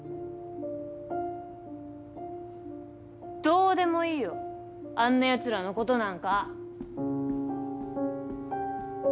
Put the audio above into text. どうでもいいよあんな奴らの事なんか。